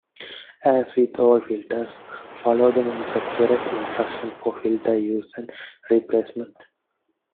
As with all filters, follow the manufacturer's instructions for filter use and replacement.